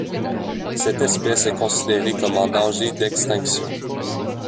Cette espèce est considérée comme en danger d'extinction.